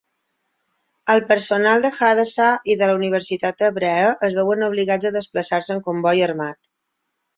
El personal de Hadassah i de la Universitat Hebrea es veuen obligats a desplaçar-se en comboi armat.